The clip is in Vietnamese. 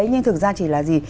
nhưng thực ra chỉ là gì